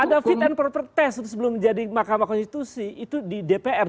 ada fit and proper test sebelum menjadi mahkamah konstitusi itu di dpr